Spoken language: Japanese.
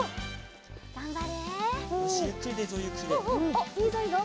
おっいいぞいいぞ